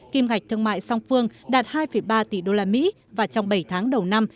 kim ngạch thương mại song phương đạt hai ba tỷ usd và trong bảy tháng đầu năm